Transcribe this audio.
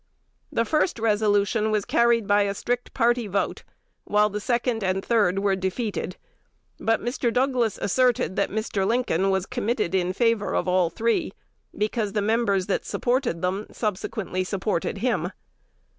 The first resolution was carried by a strict party vote; while the second and third were defeated. But Mr. Douglas asserted that Mr. Lincoln was committed in favor of all three, because the members that supported them subsequently supported him.